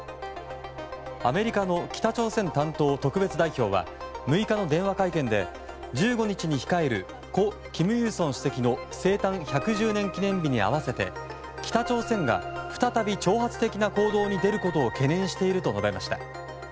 アメリカの北朝鮮担当特別代表は６日の電話会見で１５日に控える故・金日成主席の生誕１１０年記念日に合わせて北朝鮮が再び挑発的な行動に出ることを懸念していると述べました。